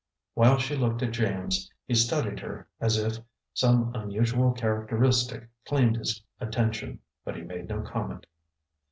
While she looked at James, he studied her, as if some unusual characteristic claimed his attention, but he made no comment.